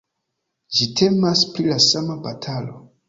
Ĝi temas pri la sama batalo.